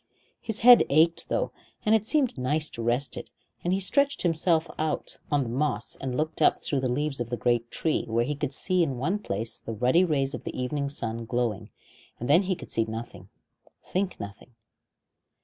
His head ached though, and it seemed nice to rest it, and he stretched himself out on the moss and looked up through the leaves of the great tree, where he could see in one place the ruddy rays of the evening sun glowing, and then he could see nothing think nothing.